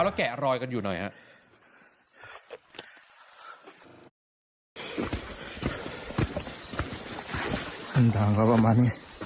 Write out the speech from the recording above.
แล้วแกะรอยกันอยู่หน่อยครับ